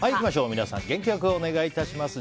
皆さん、元気良くお願いします。